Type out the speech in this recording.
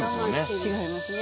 違いますね。